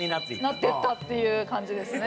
なっていったっていう感じですね。